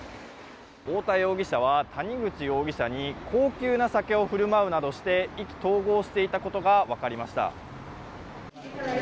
太田容疑者は谷口容疑者に高級な酒を振る舞うなどして意気投合していたことが分かりました。